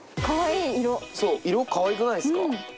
かわいい色そう色かわいくないですか？